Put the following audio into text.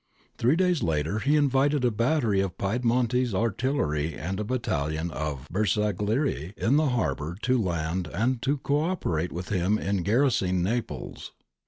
Three days later he invited a battery of Piedmontese artillery and a battalion of Bersaglieri in the harbour to land and co operate with him in garrison ing Naples.